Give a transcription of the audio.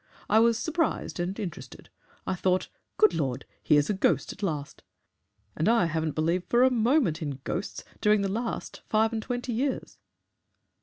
I was surprised and interested. I thought, 'Good Lord! Here's a ghost at last! And I haven't believed for a moment in ghosts during the last five and twenty years.'"